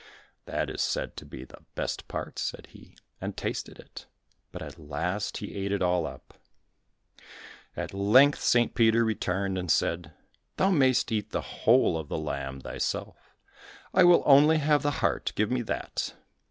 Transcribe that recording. "That is said to be the best part," said he, and tasted it, but at last he ate it all up. At length St. Peter returned and said, "Thou mayst eat the whole of the lamb thyself, I will only have the heart, give me that."